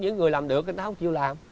người ta làm được người ta không chịu làm